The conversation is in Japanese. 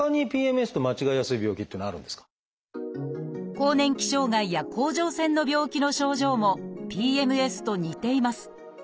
更年期障害や甲状腺の病気の症状もＰＭＳと似ています。